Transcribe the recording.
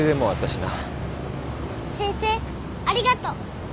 先生ありがとう。